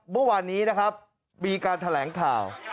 เมื่อวานนี้นะครับมีการแถลงข่าว